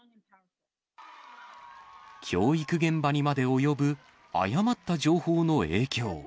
教育現場にまで及ぶ誤った情報の影響。